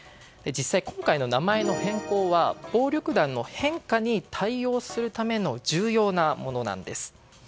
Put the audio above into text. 実際に今回の名前の変更は暴力団の変化に対応するための重要なものなんです。